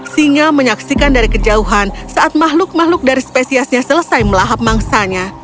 singa menyaksikan dari kejauhan saat makhluk makhluk dari spesiesnya selesai melahap mangsanya